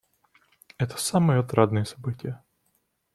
Это самые отрадные события.